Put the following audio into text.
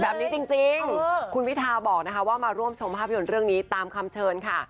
แบบนี้จริงคุณวิทาบอกนะคะว่ามาร่วมชมภาพยนตร์เรื่องนี้ตามคำเชิญค่ะ